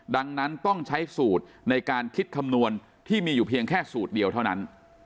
ดังนั้นต้องใช้สูตรในการคิดคำนวณที่มีอยู่เพียงแค่สูตรเดียวเท่านั้น